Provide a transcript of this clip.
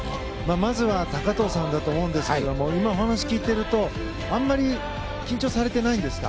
まずは高藤さんだと思うんですけど今お話を聞いているとあまり緊張されてないんですか？